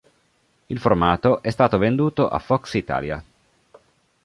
Il formato è stato venduto a Fox Italia.